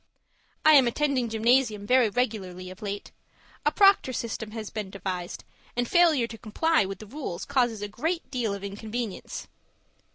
I am attending gymnasium very regularly of late. A proctor system has been devised, and failure to comply with the rules causes a great deal of inconvenience.